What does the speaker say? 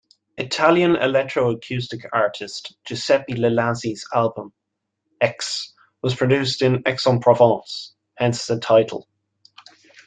Italian electroacoustic artist Giuseppe Ielasi's album Aix was produced in Aix-en-Provence, hence the title.